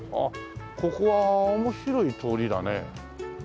ここは面白い通りだね。